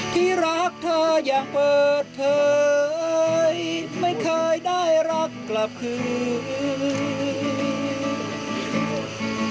ที่รักเธออย่างเปิดเผยไม่เคยได้รักกลับคืน